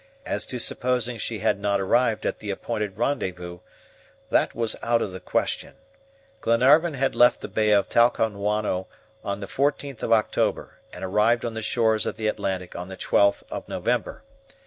As to supposing she had not arrived at the appointed rendezvous, that was out of the question. Glenarvan had left the Bay of Talcahuano on the 14th of October, and arrived on the shores of the Atlantic on the 12th of November.